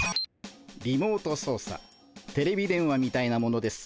リモート操作テレビ電話みたいなものです。